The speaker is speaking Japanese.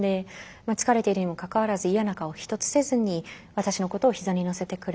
疲れているにもかかわらず嫌な顔ひとつせずに私のことを膝に乗せてくれて。